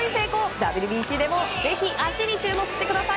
ＷＢＣでもぜひ足に注目してください。